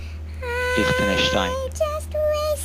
لیختن اشتاین